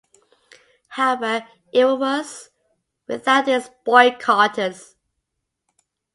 However, it was without its boycotters.